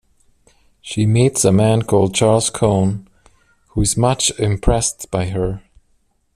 She meets a man called Charles Cohn who is much impressed by her.